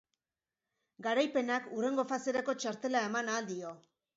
Garaipenak hurrengo faserako txartela eman ahal dio.